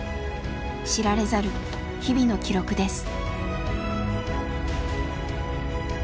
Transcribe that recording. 知られざる日々の記録です。